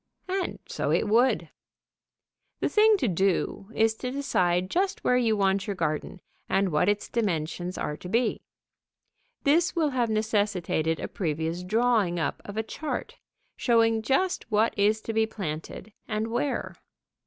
And so it would. The thing to do is to decide just where you want your garden, and what its dimensions are to be. This will have necessitated a previous drawing up of a chart, showing just what is to be planted and where.